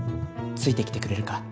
ついてきてくれるか。